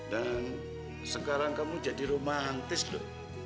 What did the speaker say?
dan sekarang kamu jadi romantis lho